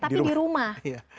tapi di rumah